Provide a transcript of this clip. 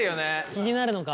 気になるのか！